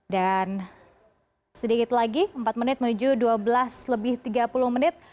dan sedikit lagi empat menit menuju dua belas lebih tiga puluh menit